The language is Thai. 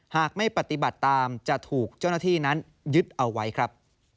หากไม่ปฏิบัติตามจะถูกเจ้าหน้าที่นั้นยึดเอาไว้ครับ